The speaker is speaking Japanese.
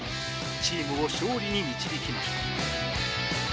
チームを勝利に導きました。